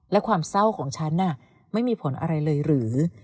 และความเศร้าของฉันไม่มีผลอะไรเลยหรือ